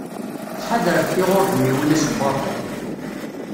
Ttḥadaret tiɣurdmiwin ass n waḍu.